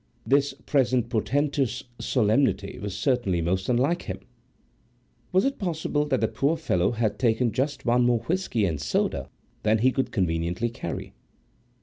This present portentous solemnity was certainly most unlike him. Was it possible that the poor fellow had taken just one more whisky and soda than he could conveniently carry?